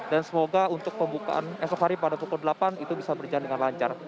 dan semoga untuk pembukaan esok hari pada pukul delapan itu bisa berjalan dengan lancar